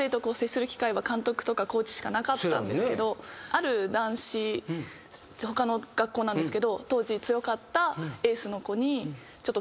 ある男子他の学校なんですけど当時強かった。